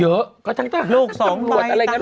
เยอะซักทั้งลูกสองใบตามหลังตำรวจอะไรอย่างนั้น